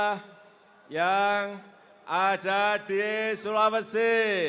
udah ada di sulawesi